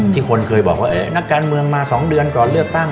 คนเคยบอกว่านักการเมืองมา๒เดือนก่อนเลือกตั้ง